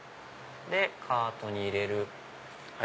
で「カートに入れる」。